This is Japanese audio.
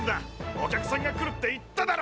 お客さんが来るって言っただろ！